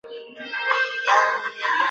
短序棘豆为豆科棘豆属下的一个种。